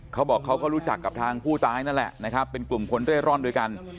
เขาบอกเขาก็รู้จักกับทางผู้ตายนั่นแหละนะครับเป็นกลุ่มคนเร่ร่อนด้วยกัน